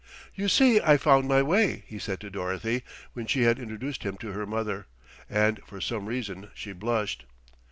"You see, I found my way," he said to Dorothy when she had introduced him to her mother, and for some reason she blushed.